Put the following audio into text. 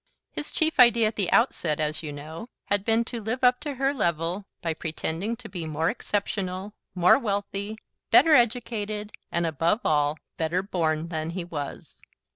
His chief idea, at the outset, as you know, had been to live up to her level, by pretending to be more exceptional, more wealthy, better educated, and, above all, better born than he was.